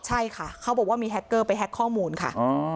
ใช่ค่ะเขาบอกว่ามีแฮคเกอร์ไปแฮ็กข้อมูลค่ะ